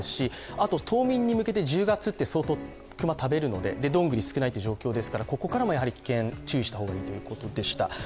あと冬眠に向けて１０月って、相当熊は食べるので、そしてどんぐりが少ない状況ですからここからも危険、注意した方がいいということでした。